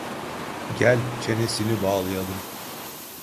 Gel çenesini bağlayalım.